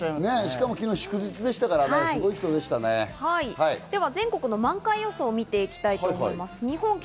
しかも昨日、祝日でしたから全国の満開予想を見ていきたいと思います。